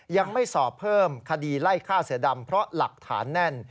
ยังไม่สอบเพิ่มคดีไล่ฆ่าเสือดำเพราะหลักฐานแน่น